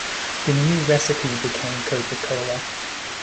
The new recipe became Coca-Cola.